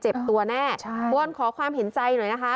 เจ็บตัวแน่ใช่วอนขอความเห็นใจหน่อยนะคะ